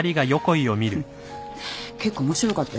結構面白かったよ。